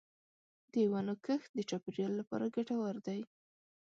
د ونو کښت د چاپېریال لپاره ګټور دی.